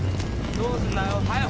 どうすんだよ。